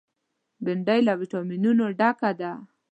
بېنډۍ له ویټامینونو ډکه ده